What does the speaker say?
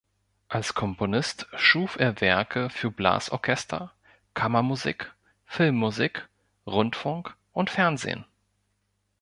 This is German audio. Als Komponist schuf er Werke für Blasorchester, Kammermusik, Filmmusik, Rundfunk und Fernsehen.